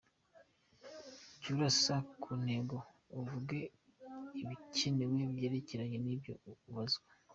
Jya urasa ku ntego uvuga ibikenewe byerekeranye n’ibyo ubazwa.